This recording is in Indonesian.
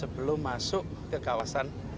kalau masuk ke kawasan